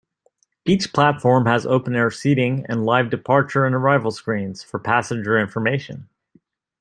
Each platform has open-air seating and live departure and arrival screens, for passenger information.